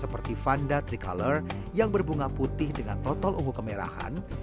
seperti vanda tricolor yang berbunga putih dengan total ungu kemerahan